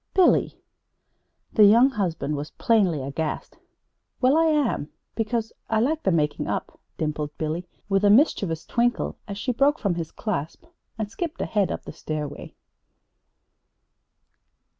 "Billy!" The young husband was plainly aghast. "Well, I am because I like the making up," dimpled Billy, with a mischievous twinkle as she broke from his clasp and skipped ahead up the stairway.